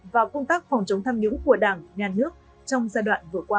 vào công tác phòng chống tham nhũng của đảng nhà nước trong giai đoạn vừa qua